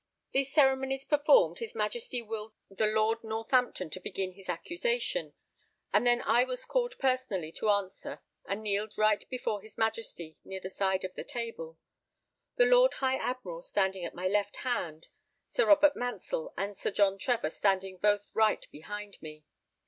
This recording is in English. These ceremonies performed, his Majesty willed the Lord Northampton to begin his accusation, and then I was called personally to answer and kneeled right before his Majesty, near the side of the table; the Lord High Admiral standing at my left hand, Sir Robert Mansell and Sir John Trevor standing both right behind me.